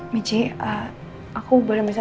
michi aku boleh bisa